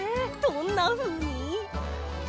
どんなふうに？